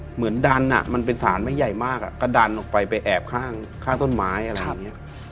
เหมือนดันอ่ะมันเป็นสารไม่ใหญ่มากอ่ะก็ดันออกไปไปแอบข้างข้างต้นไม้อะไรอย่างเงี้ยครับ